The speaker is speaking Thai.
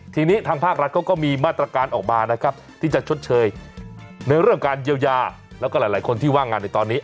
ทีนี้ทางภาครัฐเขาก็มีมาตรการออกมานะครับที่จะชดเชยในเรื่องการเยียวยาแล้วก็หลายคนที่ว่างงานในตอนนี้